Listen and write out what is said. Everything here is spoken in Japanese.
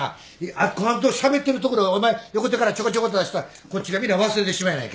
明子はんとしゃべってるところをお前横からちょこちょこっと出したらこっちが皆忘れてしまうやないかい。